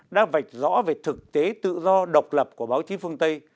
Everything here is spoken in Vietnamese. đã vạch rõ về thực tế tự do độc lập của báo chí phương tây